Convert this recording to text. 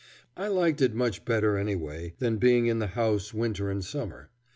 I liked it much better, anyway, than being in the house winter and summer.